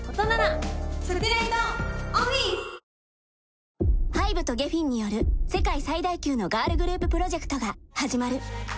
睡眠サポート「グリナ」ＨＹＢＥとＧｅｆｆｅｎによる世界最大級のガールグループプロジェクトが始まる。